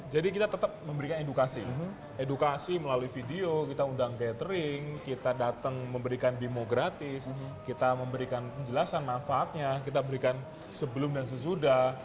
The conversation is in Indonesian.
jadi kita tetap memberikan edukasi edukasi melalui video kita undang gathering kita datang memberikan bimo gratis kita memberikan penjelasan manfaatnya kita memberikan sebelum dan sesudah